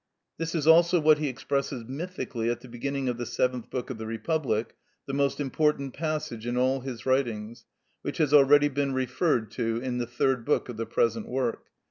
This is also what he expresses mythically at the beginning of the seventh book of the Republic, the most important passage in all his writings, which has already been referred to in the third book of the present work.